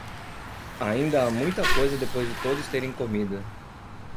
Ainda há muita coisa depois de todos terem comido